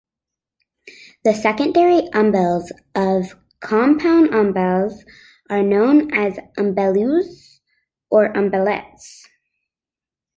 The secondary umbels of compound umbels are known as umbellules or umbellets.